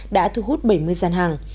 đã thu hút bảy mươi gian hàng